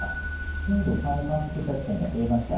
震度３を観測した地点が増えました。